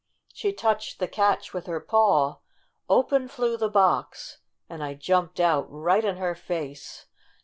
She touched the catch with her paw, open flew the box, and I jumped out right in her face